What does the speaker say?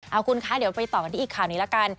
เอาคุณคะเดี๋ยวไปต่อกันที่อีกข่าวนี้ละกัน